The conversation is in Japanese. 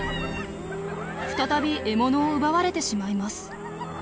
再び獲物を奪われてしまいます。